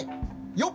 よっ！